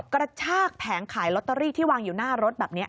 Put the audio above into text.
กระชากแผงขายลอตเตอรี่ที่วางอยู่หน้ารถแบบนี้